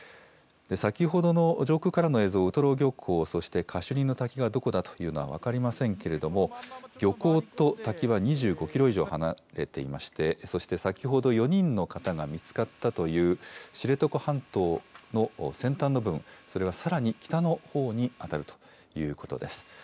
先ほどの上空からの映像、ウトロ漁港、そしてカシュニの滝がどこだというのは分かりませんけれども、漁港と滝は２５キロ以上離れていまして、そして先ほど４人の方が見つかったという知床半島の先端部分、それはさらに北のほうに当たるということです。